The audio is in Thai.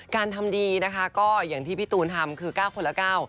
การทำดีอย่างที่พี่ตูนทำคือ๙คนละ๙